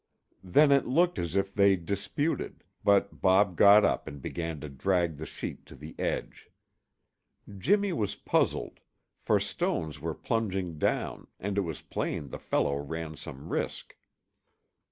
Then it looked as if they disputed, but Bob got up and began to drag the sheep to the edge. Jimmy was puzzled, for stones were plunging down and it was plain the fellow ran some risk.